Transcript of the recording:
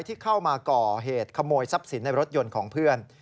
ที่เข้ามาก่อเหตุขโมยทรัพย์สินในรถยนต์ของเพื่อน